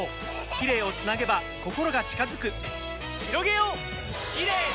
キレイをつなげば心が近づくひろげようキレイの輪！